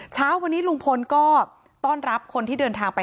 เช้าวันนี้ลุงพลก็ต้อนรับคนที่เดินทางไป